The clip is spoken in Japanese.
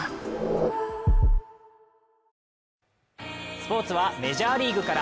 スポーツはメジャーリーグから。